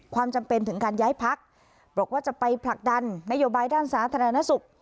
ความจำเป็นถึงการย้ายพักบอกว่าจะไปผลักดันนโยบายด้านสาธารณสุข